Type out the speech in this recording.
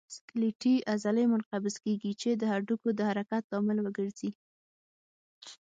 سکلیټي عضلې منقبض کېږي چې د هډوکو د حرکت لامل وګرځي.